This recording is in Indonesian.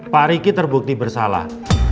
pak riki terbukti bersalah